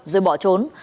rồi bỏ trốn